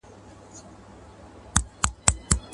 نن د اباسین د جاله وان حماسه ولیکه.